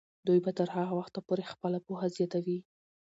دوی به تر هغه وخته پورې خپله پوهه زیاتوي.